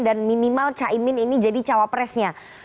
dan minimal caimin ini jadi cawapresnya